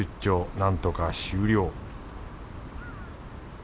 なんとか終了